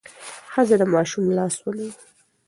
ښځه د ماشوم لاس ونیو.